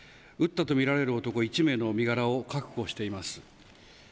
撃ったと見られる男１名の身柄を確保しています。